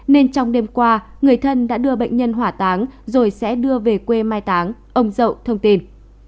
nên trong đêm qua người thân đã đưa bệnh nhân hỏa táng rồi sẽ đưa về quê mai táng ông dậu thông tin